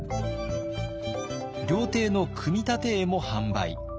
料亭の組立絵も販売。